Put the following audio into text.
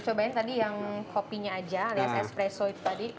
cobain tadi yang kopinya aja alias espresso itu tadi